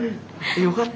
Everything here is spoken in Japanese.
よかった。